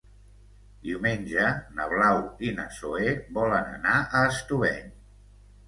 Diumenge na Blau i na Zoè volen anar a Estubeny.